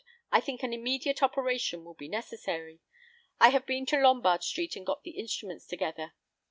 I think an immediate operation will be necessary. I have been to Lombard Street, and got the instruments together.